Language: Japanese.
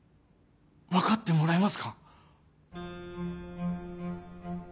分かってもらえますか？